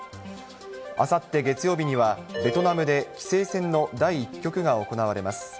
あさって月曜日には、ベトナムで棋聖戦の第１局が行われます。